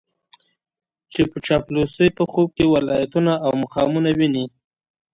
چې په چاپلوسۍ په خوب کې ولايتونه او مقامونه ويني.